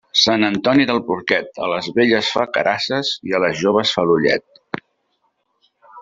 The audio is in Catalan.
Sant Antoni del porquet, a les velles fa carasses i a les joves fa l'ullet.